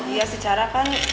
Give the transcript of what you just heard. iya sih cara kan